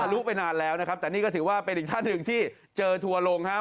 รู้ไปนานแล้วนะครับแต่นี่ก็ถือว่าเป็นอีกท่านหนึ่งที่เจอทัวร์ลงครับ